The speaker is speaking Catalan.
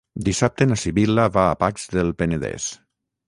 Dissabte na Sibil·la va a Pacs del Penedès.